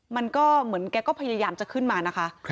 มันก็เหมือนแกก็พยายามจะขึ้นมานะคะ